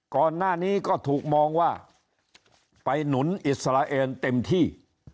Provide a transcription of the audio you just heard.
ก่อนหน้านี้ก็ถูกมองว่าไปหนุนอิสราเอลเต็มที่